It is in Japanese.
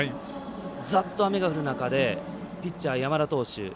ザッと雨が降る中でピッチャー山田投手